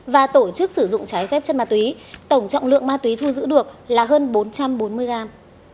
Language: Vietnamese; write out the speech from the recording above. và tổ chức sử dụng trái phép chất ma túy tổng trọng lượng ma túy thu giữ được là hơn bốn trăm bốn mươi gram